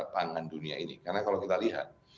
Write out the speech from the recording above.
pangan dunia ini karena kalau kita lihat